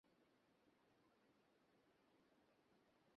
তারা এখানে অজ্ঞাত ও অপরিচিত এবং তারা এখানে বাজে বকতে সাহসও পায় না।